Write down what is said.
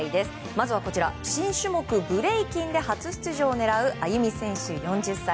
まずは新種目ブレイキンで初出場を狙うＡＹＵＭＩ選手、４０歳。